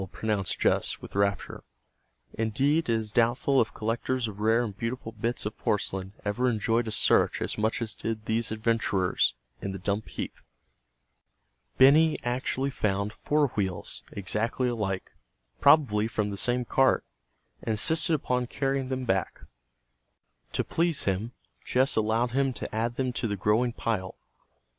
pronounced Jess with rapture. Indeed, it is doubtful if collectors of rare and beautiful bits of porcelain ever enjoyed a search as much as did these adventurers in the dump heap. Benny actually found four wheels, exactly alike, probably from the same cart, and insisted upon carrying them back. To please him, Jess allowed him to add them to the growing pile.